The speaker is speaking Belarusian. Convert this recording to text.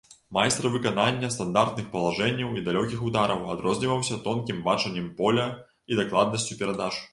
Майстар выканання стандартных палажэнняў і далёкіх удараў, адрозніваўся тонкім бачаннем поля і дакладнасцю перадач.